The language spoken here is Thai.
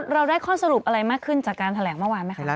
เราได้ข้อสรุปอะไรมากขึ้นจากการแถลงเมื่อวานไหมคะ